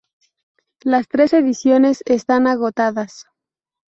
Las tres ediciones están agotadas.